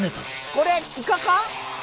これイカか？